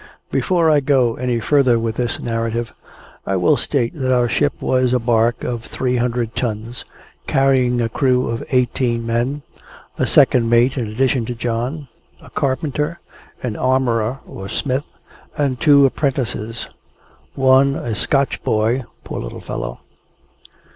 Before I go any further with this narrative, I will state that our ship was a barque of three hundred tons, carrying a crew of eighteen men, a second mate in addition to John, a carpenter, an armourer or smith, and two apprentices (one a Scotch boy, poor little fellow).